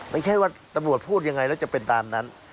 ไม่ใช่ว่าตำรวจพูดยังไงแล้วจะเป็นตามนั้น